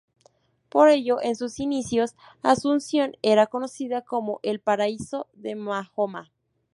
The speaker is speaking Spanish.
Por ello en sus inicios Asunción era conocida como ""El paraíso de Mahoma"".